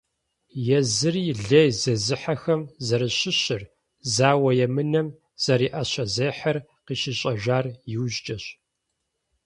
Езыри лей зезыхьэхэм зэращыщыр, зауэ емынэм зэриӀэщэзехьэр къыщищӀэжар иужькӏэщ.